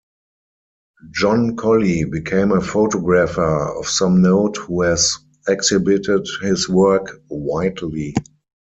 John Collie became a photographer of some note who has exhibited his work widely.